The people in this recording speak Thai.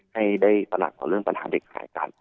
ให้ได้ตระหนักต่อเรื่องปัญหาเด็กหายกัน